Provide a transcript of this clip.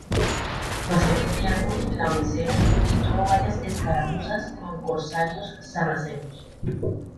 Pasó el invierno en Laodicea y tuvo varias escaramuzas con corsarios sarracenos.